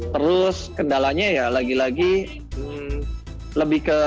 terus kendalanya ya lagi lagi lebih ke